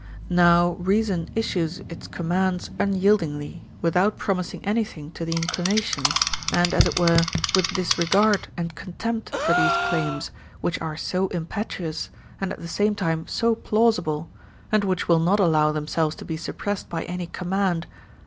Now reason issues its commands unyieldingly, without promising anything to the inclinations, and, as it were, with disregard and contempt for these claims, which are so impetuous, and at the same time so plausible, and which will not allow themselves to be suppressed by any command.